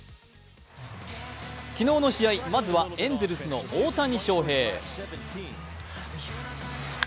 昨日の試合、まずはエンゼルスの大谷翔平。